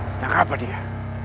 sedangkan apa dia